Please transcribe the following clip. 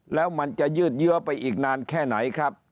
แล้วมันจะยืดเยื้อไปอีกนานแค่ไหนครับ